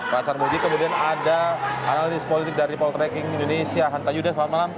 pak sarmuji kemudian ada analis politik dari poltreking indonesia hanta yuda selamat malam